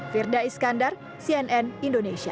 firda iskandar cnn indonesia